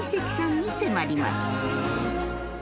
に迫ります